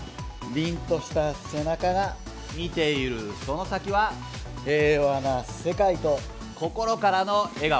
凛とした背中が見ているその先は平和な世界と心からの笑顔。